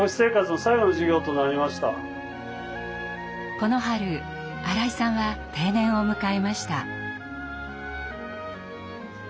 この春新井さんは定年を迎えました。